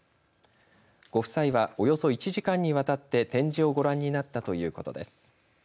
ご夫妻はおよそ１時間にわたって展示をご覧になったということです。